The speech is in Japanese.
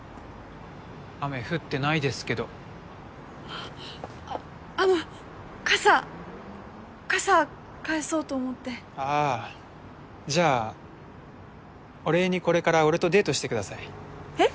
雨降ってないですけどあの傘傘返そうと思ってああじゃあお礼にこれから俺とデートしてくださいえっ？